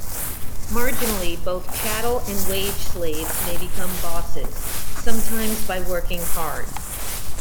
Marginally, both chattel and wage slaves may become bosses; sometimes by working hard.